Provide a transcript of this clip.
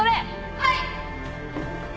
はい！